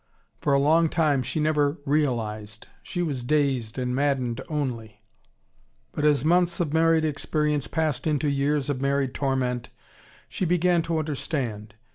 For a long time, she never realised. She was dazed and maddened only. But as months of married experience passed into years of married torment, she began to understand.